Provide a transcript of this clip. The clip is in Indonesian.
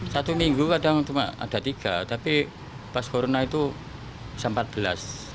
satu minggu kadang cuma ada tiga tapi pas corona itu bisa empat belas